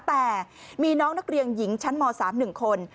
แต่มีน้องนักเรียนหญิงชั้นม๓๑คน